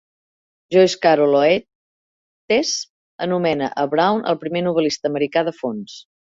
Joyce Carol Oates anomena a Brown "el primer novel·lista americà de fons".